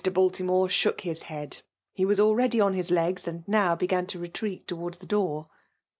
Baltimore shook his head. He was already on his legs \ and now began to retreai 4owards the door.